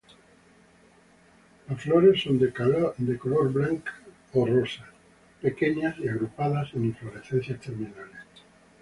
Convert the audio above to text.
Las flores son de color blanco o rosa, pequeñas y agrupadas en inflorescencias terminales.